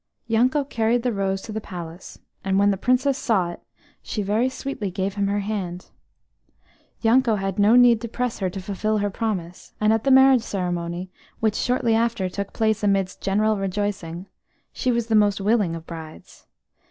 Yanko carried the rose to the palace, and when the Princess saw it she very sweetly gave him her hand. Yanko had no need to press her to fulfil her promise, and at the marriage ceremony, which shortly after took place amidst general rejoicing, she was the most willing of brides.